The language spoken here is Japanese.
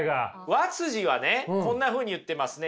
和はねこんなふうに言ってますね。